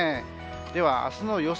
では、明日の予想